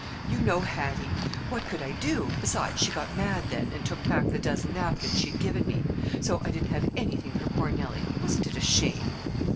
You know Hattie. What could I do? Besides, she got mad then, and took back the dozen napkins she'd given me. So I didn't have anything for poor Nellie. Wasn't it a shame?"